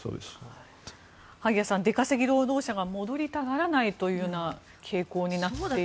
萩谷さん、出稼ぎ労働者が戻りたがらないというような傾向になっていると。